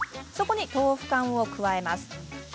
そこに豆腐干を加えます。